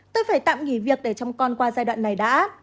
tôi phải tạm nghỉ việc để trong con qua giai đoạn này đã